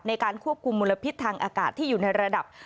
ในการควบคุมมลพิษทางอากาศที่อยู่ในระดับ